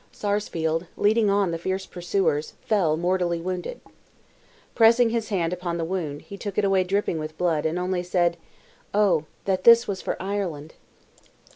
Sarsfield, leading on the fierce pursuers, fell, mortally wounded. Pressing his hand upon the wound, he took it away dripping with blood, and only said, "Oh, that this was for Ireland!"